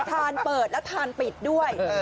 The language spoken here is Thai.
ทานเปิดแล้วทานปิดด้วย